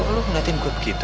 kok lo ngeritain gue begitu